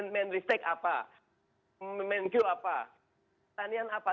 main risk take apa main cue apa